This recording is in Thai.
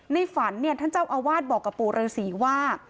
ในฝันท่านเจ้าอาวาสบอกกับปู่ฤษีว่า